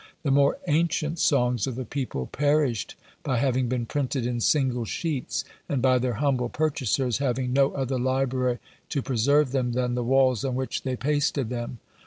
The more ancient songs of the people perished by having been printed in single sheets, and by their humble purchasers having no other library to preserve them than the walls on which they pasted them.